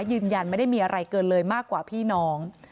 ยืนยันไม่ได้มีอะไรเกินเลยมากกว่าพี่น้อง